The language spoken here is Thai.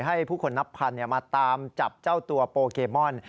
ให้ผู้คนนับพันมาตามจับเจ้าตัวโปเกมอน